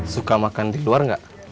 suka makan di luar nggak